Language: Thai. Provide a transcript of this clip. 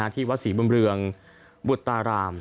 ที่วัดศรีบุญเรืองบุตราราม